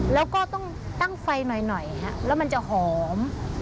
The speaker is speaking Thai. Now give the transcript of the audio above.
แล้วก็ต้องตั้งไฟหน่อยแล้วมันจะหอม